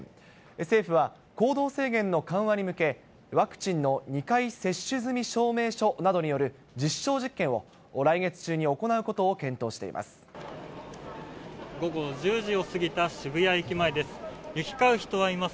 政府は、行動制限の緩和に向け、ワクチンの２回接種済み証明書などによる、実証実験を来月中に行うことを検討しています。